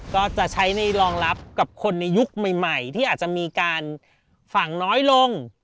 ก็จะใช้ในรองรับกับคนในยุคใหม่ที่อาจจะมีการฝั่งน้อยลง